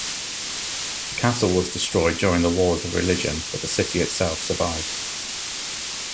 The castle was destroyed during the Wars of Religion but the city itself survived.